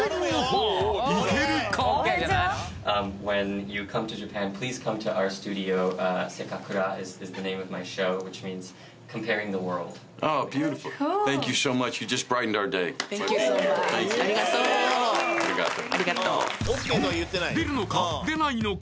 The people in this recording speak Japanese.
うんっ出るのか出ないのか？